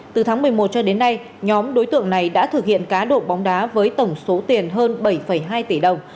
từ tháng một mươi một cho đến nay nhóm đối tượng này đã thực hiện cá độ bóng đá với tổng số tiền hơn bảy hai tỷ đồng